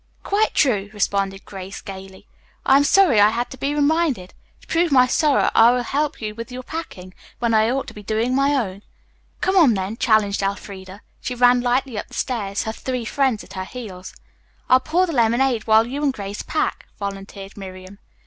"Quite true," responded Grace gaily. "I am sorry I had to be reminded. To prove my sorrow I will help you with your packing, when I ought to be doing my own." "Come on, then," challenged Elfreda. She ran lightly up the stairs, her three friends at her heels. "I'll pour the lemonade while you and Grace pack," volunteered Miriam.